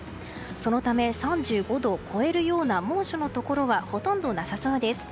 そのため、３５度を超えるような猛暑のところはほとんどなさそうです。